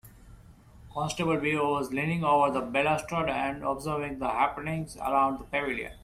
Constable Beaver was leaning over the balustrade and observing the happenings around the pavilion.